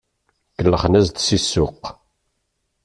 Kellxen-as-d si ssuq.